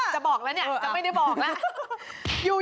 จะบอกแล้วเนี่ยจะไม่ได้บอกแล้ว